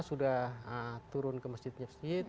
sudah turun ke masjid masjid